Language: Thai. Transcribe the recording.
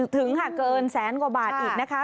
ถึงค่ะเกินแสนกว่าบาทอีกนะคะ